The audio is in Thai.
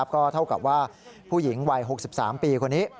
ก็เท่ากับว่าผู้หญิงวัย๖๓ปีคนนี้